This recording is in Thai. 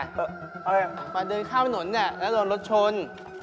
ขอผิดเงี่ยะพอเดินเคลียมข้ามนุนถ้าเขาลมารถชน